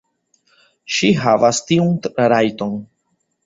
Ŝi havas tiun rajton.